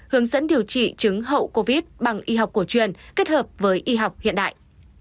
hướng dẫn điều trị chứng hậu covid bằng y học cổ truyền kết hợp với y học hiện đại